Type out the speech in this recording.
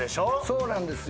そうなんですよ。